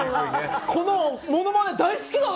このものまね、大好きだな！